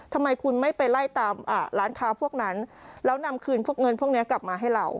ทำไมคุณไม่ไปไล่ตามร้านค้าพวกนั้นแล้วนำคืนพวกเงินพวกนี้กลับมาให้เรา